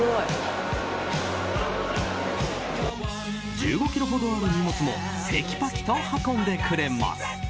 １５ｋｇほどある荷物もてきぱきと運んでくれます。